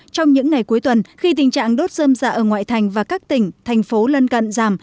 trong những ngày cuối tuần khi tình trạng đốt dơm dạ ở ngoại thành và các tỉnh thành phố lân cận giảm